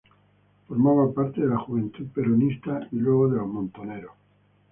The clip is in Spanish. Formaba parte de la Juventud Peronista y luego de Montoneros.